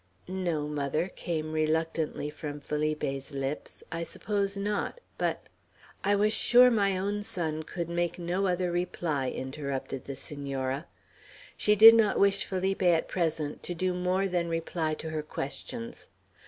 "No, mother," came reluctantly from Felipe's lips. "I suppose not; but " "I was sure my own son could make no other reply," interrupted the Senora. She did not wish Felipe at present to do more than reply to her questions.